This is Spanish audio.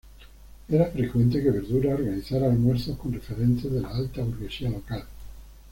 Era frecuente que Verdura organizara almuerzos con referentes de la alta burguesía local.